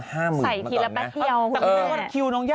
ใส่ทีละแพสเที่ยว